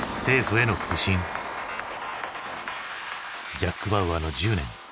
ジャック・バウアーの１０年。